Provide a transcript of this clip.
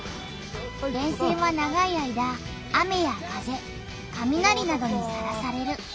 電線は長い間雨や風かみなりなどにさらされる。